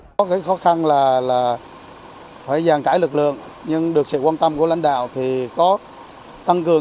có cái khó khăn là phải giàn trải lực lượng nhưng được sự quan tâm của lãnh đạo thì có tăng cường